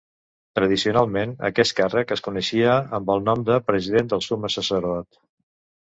Tradicionalment, aquest càrrec es coneixia amb el nom de president del summe sacerdot.